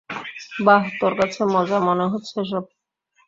বাহ, তোর কাছে মজা মনে হচ্ছে এসব?